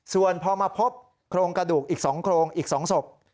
ส่วนพอมาพบโครงกระดูกอีก๒โครงอีก๒ศพ